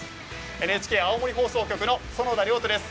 ＮＨＫ青森放送局の園田遼斗です。